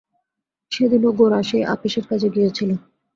সেদিনও গোরা সেই আপিসের কাজে গিয়াছিল।